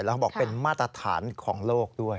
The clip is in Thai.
แล้วเขาบอกเป็นมาตรฐานของโลกด้วย